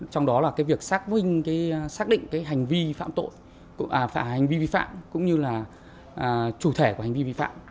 trong đó là cái việc xác định cái hành vi vi phạm tội hành vi vi phạm cũng như là chủ thể của hành vi vi phạm